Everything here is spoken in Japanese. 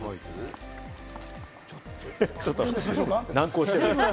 ちょっと難航してる。